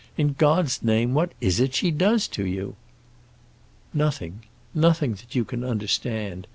In God's name what is it she does to you?" "Nothing. Nothing that you can understand.